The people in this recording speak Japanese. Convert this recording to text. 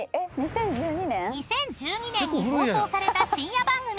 ［２０１２年に放送された深夜番組］